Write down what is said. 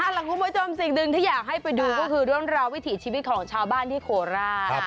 หลังคุมวิทยามสิกอีกหนึ่งอยากให้ไปดูดร้อนราววิถีชีวิตของชาวบ้านที่โครา